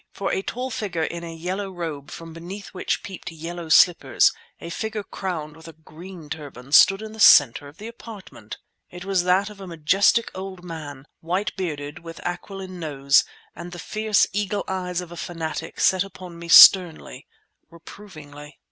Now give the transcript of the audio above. For a tall figure in a yellow robe from beneath which peeped yellow slippers, a figure crowned with a green turban, stood in the centre of the apartment! It was that of a majestic old man, white bearded, with aquiline nose, and the fierce eagle eyes of a fanatic set upon me sternly, reprovingly.